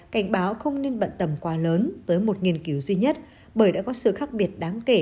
cảnh báo không nên bận tầm quá lớn tới một nghiên cứu duy nhất bởi đã có sự khác biệt đáng kể